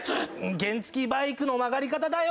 原付きバイクの曲がり方だよ！